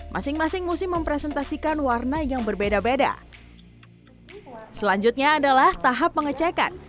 masing masing musim mempresentasikan warna yang berbeda beda selanjutnya adalah tahap pengecekan